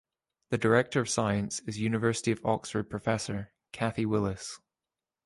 The Director of Science is University of Oxford Professor Kathy Willis.